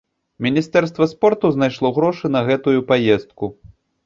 Міністэрства спорту знайшло грошы на гэтую паездку.